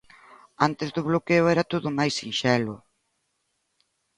Antes do bloqueo era todo máis sinxelo.